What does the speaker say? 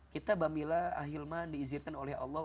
kita babila ahilman diizinkan oleh allah